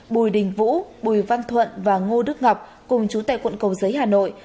bùi đình vũ bùi văn thuận và ngô đức ngọc cùng chú tại quận cầu giấy hà nội